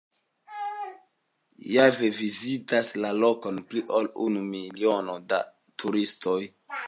Jare vizitas la lokon pli ol unu milionoj da turistoj.